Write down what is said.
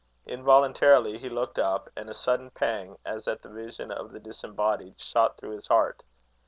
Involuntarily he looked up, and a sudden pang, as at the vision of the disembodied, shot through his heart.